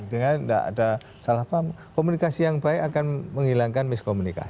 dengan tidak ada salah paham komunikasi yang baik akan menghilangkan miskomunikasi